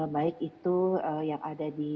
baik itu yang ada di